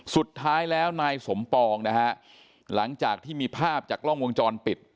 สุดท้ายแล้วนายสมปองนะฮะหลังจากที่มีภาพจากกล้องวงจรปิด